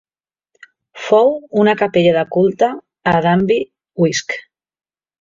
Fou una capella de culte a Danby Wiske.